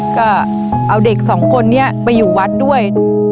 ก็เอาเด็กสองคนนี้ไปอยู่วัดด้วย